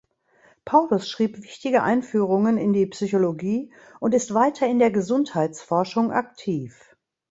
Paulus schrieb wichtige Einführungen in die Psychologie und ist weiter in der Gesundheitsforschung aktiv.